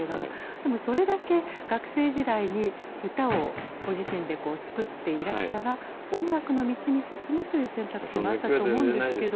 でもそれだけ学生時代に歌をご自身で作っていらしたら音楽の道に進むという選択肢もあったと思うんですけど。